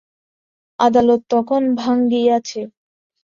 আদালত তখন ভাঙিয়াছে।